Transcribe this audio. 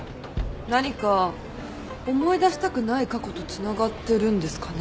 何か思い出したくない過去とつながってるんですかね？